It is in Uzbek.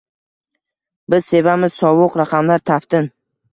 Biz sevamiz sovuq raqamlar taftin